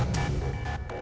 liat dulu ya